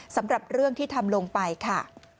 สำหรับเรื่องที่ทำลงไปค่ะ